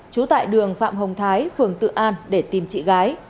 trú tại đường phạm hồng thái phường tự an để tìm chị gái